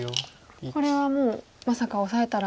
これはもうまさかオサえたら。